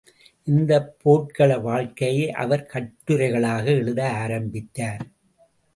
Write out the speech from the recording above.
இந்தப் போர்க்கள வாழ்க்கையை அவர் கட்டுரைகளாக எழுத ஆரம்பத்தார்.